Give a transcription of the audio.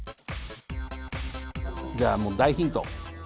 じゃあもう大ヒント。